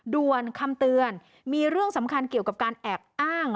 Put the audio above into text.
ด่วนคำเตือนมีเรื่องสำคัญเกี่ยวกับการแอบอ้าง